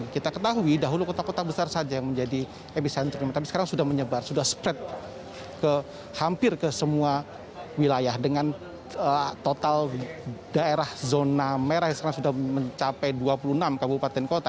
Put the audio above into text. kita ketahui dahulu kota kota besar saja yang menjadi epicentrum tapi sekarang sudah menyebar sudah spread ke hampir ke semua wilayah dengan total daerah zona merah yang sekarang sudah mencapai dua puluh enam kabupaten kota